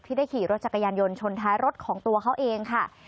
ได้ขี่รถจักรยานยนต์ชนท้ายรถของตัวเขาเองค่ะ